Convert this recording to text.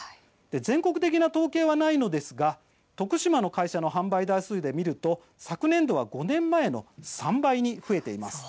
全国的な統計はないのですが徳島の会社の販売台数で見ると昨年度は５年前の３倍に増えています。